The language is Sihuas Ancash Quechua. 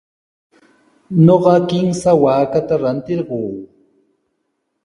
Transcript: Ñuqa kimsa waakata rantirquu.